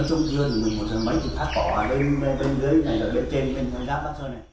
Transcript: nói chung trưa thì mình một giờ mấy thì phát bỏ ở bên dưới này là bên trên bên thái giáp văn sơn này